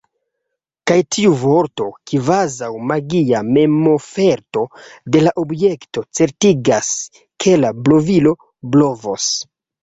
Kaj tiu vorto, kvazaŭ magia memoferto de la objekto, certigas, ke la blovilo blovos.